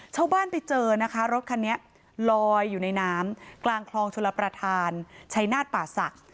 ชาวบ้านไปเจอนะคะรถคันนี้ลอยอยู่ในน้ำกลางคลองชลประธานชัยนาฏป่าศักดิ์